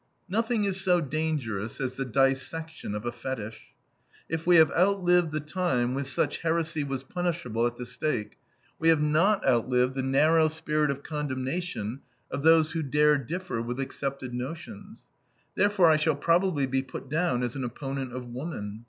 Nothing is so dangerous as the dissection of a fetich. If we have outlived the time when such heresy was punishable at the stake, we have not outlived the narrow spirit of condemnation of those who dare differ with accepted notions. Therefore I shall probably be put down as an opponent of woman.